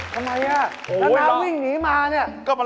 ทำไมน่ะน้ำน้ำวิ่งหนีมานี่โอ้โฮ